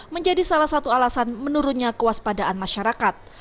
menjadi salah satu alasan menurunnya kewaspadaan masyarakat